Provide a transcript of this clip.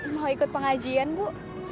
mau ikut pengajian bu